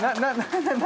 何？